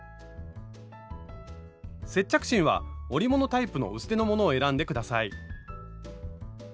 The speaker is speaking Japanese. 接着芯は織物タイプの薄手のものを選んで下さい。